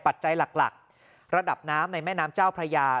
ปัจจัยหลักระดับน้ำในแม่น้ำเจ้าพระยา